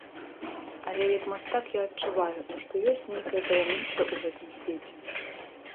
Але як мастак я адчуваю, што ёсць нейкая таямніца ў гэтым свеце.